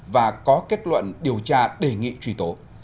và có kết luận điều tra đề nghị truy tố